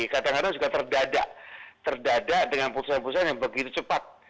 kadang kadang juga terdadak terdadak dengan putusan putusan yang begitu cepat